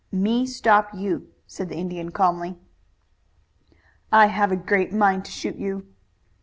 "Me stop you," said the Indian calmly. "I have a great mind to shoot you."